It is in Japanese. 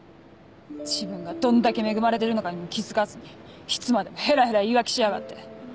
自分がどんだけ恵まれてるのかにも気付かずにいつまでもヘラヘラ言い訳しやがって。